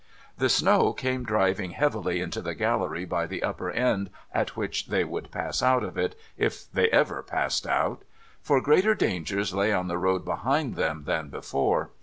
The snow came driving heavily into the gallery by the upper end at which they would pass out of it, if they ever passed out; for greater dangers lay on the road behind them than before.